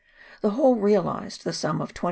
The whole realised the sum of 21,499